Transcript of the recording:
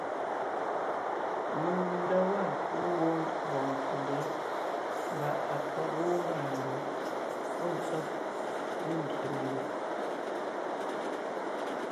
Mèŋ nda waa kuu wó mvɔ̀g mvfò lyɛ̌ʼ mbà à ka gwoon mbàandùm pɔ́ ntsɔ́b ne mbyè melùʼ;